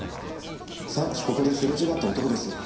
さっきここですれ違った男ですよ。